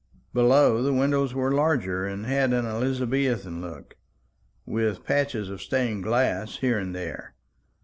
Below, the windows were larger, and had an Elizabethan look, with patches of stained glass here and there.